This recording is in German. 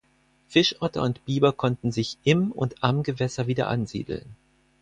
Fischotter und Biber konnten sich im und am Gewässer wieder ansiedeln.